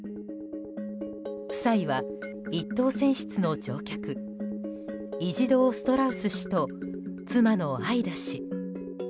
夫妻は１等船室の乗客イジドー・ストラウス氏と妻のアイダ氏。